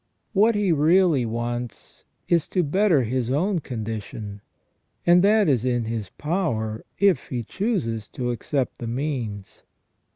What he really wants is to better his own condition, and that is in his power if he chooses to accept the means.